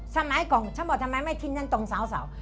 สมัยก่อนฉันบอกทำไมไม่ทิ้งกันตรงสาว